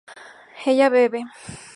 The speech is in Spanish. ella bebe